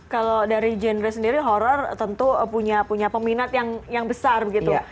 kalau dari genre sendiri horror tentu punya peminat yang besar begitu